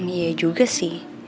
iya juga sih